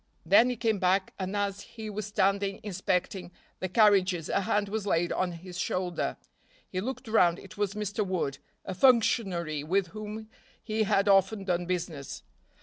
Then he came back and as he was standing inspecting the carriages a hand was laid on his shoulder. He looked round, it was Mr. Wood, a functionary with whom he had often done business.